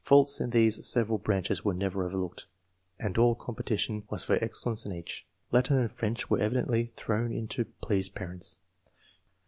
Faults in these several branches were never overlooked, and all competition was for excellence in each ; Latin and French were evidently thrown in to please parents.